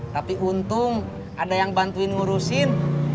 tapi untung ada yang bantuin ngurusin